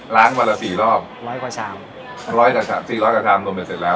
วันละสี่รอบร้อยกว่าชามร้อยกว่าชามสี่ร้อยกว่าชามรวมไปเสร็จแล้ว